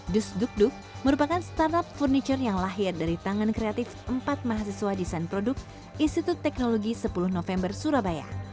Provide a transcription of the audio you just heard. dus duk duk merupakan startup furniture yang lahir dari tangan kreatif empat mahasiswa desain produk institut teknologi sepuluh november surabaya